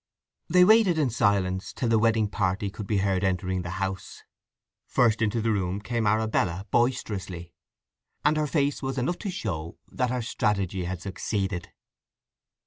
They waited in silence till the wedding party could be heard entering the house. First into the room came Arabella boisterously; and her face was enough to show that her strategy had succeeded.